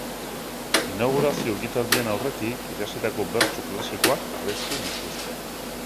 Inaugurazio ekitaldian aurretik ikasitako bertso klasikoak abestu dituzte.